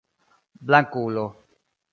blankulo